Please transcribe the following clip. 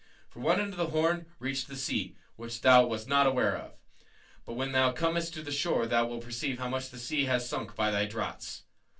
For one end of that horn reached the sea, which thou wast not aware of, but when thou comest to the shore thou wilt perceive how much the sea has sunk by thy draughts.